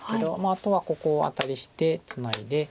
あとはここアタリしてツナいで